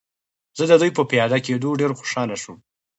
زه د دوی په پیاده کېدو ډېر خوشحاله شوم.